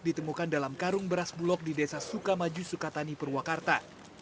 ditemukan dalam karung beras bulog di desa sukamaju sukatani purwakarta